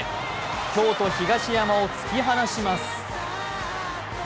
京都・東山を突き放します。